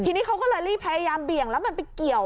ทีนี้เขาก็เลยรีบพยายามเบี่ยงแล้วมันไปเกี่ยว